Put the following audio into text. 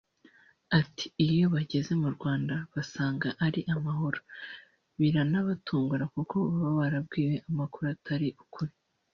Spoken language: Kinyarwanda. Ati “Iyo bageze mu Rwanda bagasanga ari amahoro biranabatungura kuko baba barabwiye amakuru atari ukuri